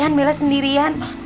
kasian bella sendirian